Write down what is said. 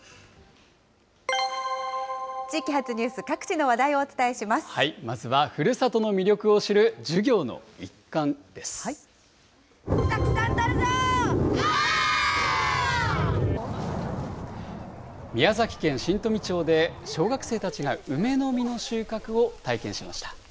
地域発ニュース、各地の話題まずはふるさとの魅力を知る宮崎県新富町で小学生たちが梅の実の収穫を体験しました。